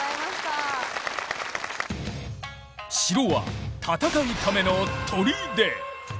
城は戦うための砦。